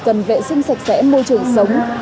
cần vệ sinh sạch sẽ môi trường sống